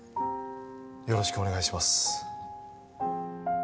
よろしくお願いします